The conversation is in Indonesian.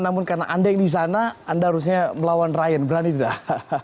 namun karena anda yang di sana anda harusnya melawan ryan berani tidak